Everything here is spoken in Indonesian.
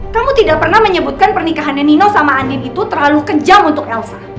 kamu tidak pernah menyebutkan pernikahannya nino sama andin itu terlalu kejam untuk elsa